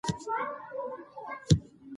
ايا د دښتې شنه بوټي به مړاوي شي؟